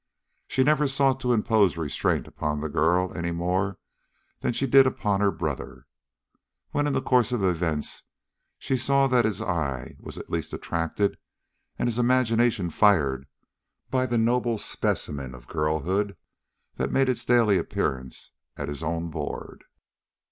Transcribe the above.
She never sought to impose restraint upon the girl any more than she did upon her brother, when in the course of events she saw that his eye was at last attracted and his imagination fired by the noble specimen of girlhood that made its daily appearance at his own board.